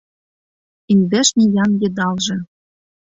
Индеш ниян йыдалже